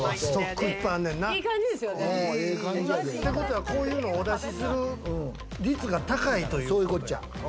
てことはこういうのをお出しする率が高いというこっちゃ。